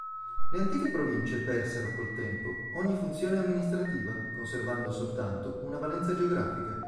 Le antiche province persero, col tempo, ogni funzione amministrativa, conservando soltanto una valenza geografica.